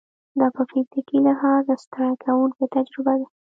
دا په فزیکي لحاظ ستړې کوونکې تجربه ده.